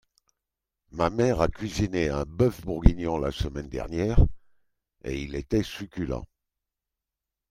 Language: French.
Ma mère a cuisiné un boeuf bourguignon la semaine dernière et il était succulent.